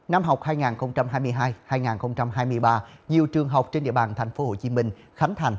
năm học hai nghìn hai mươi hai hai nghìn hai mươi ba nhiều trường học trên địa bàn tp hcm khánh thành